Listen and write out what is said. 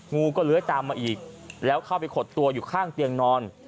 งูก็เลื้อยตามมาอีกแล้วเข้าไปขดตัวอยู่ข้างเตียงนอน